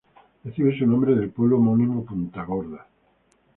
Recibe su nombre del pueblo homónimo Punta Gorda.